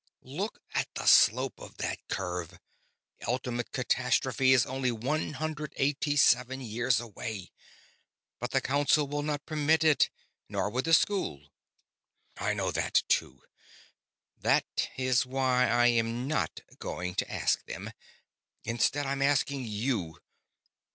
Look at the slope of that curve ultimate catastrophe is only one hundred eighty seven years away!"_ "But the Council would not permit it. Nor would the School." "_I know that, too. That is why I am not going to ask them. Instead, I am asking you.